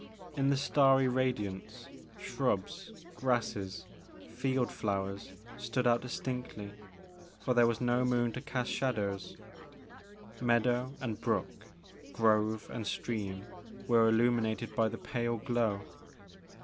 In the starry radiance. 66 The Maker of Mootis. shrubs, grasses, field flowers, stocxl out distinctly, for there was no moon to cast shadows. Meadow and brook, grove and stream, were illuminated by the pale glow.